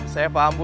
saya paham bu